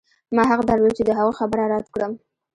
ما حق درلود چې د هغوی خبره رد کړم